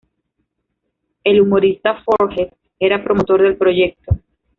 El humorista Forges era promotor del proyecto.